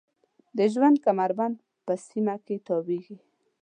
د ژوند کمربند په سیمه کې تاویږي.